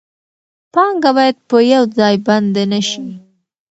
پانګه باید په یو ځای بنده نشي.